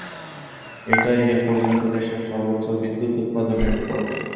এটাই এ পর্যন্ত দেশের সর্বোচ্চ বিদ্যুৎ উৎপাদনের রেকর্ড।